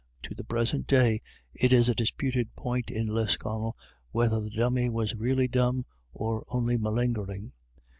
To the pre sent day it is a disputed point in Lisconnel whether the Dummy were really dumb or only malingering.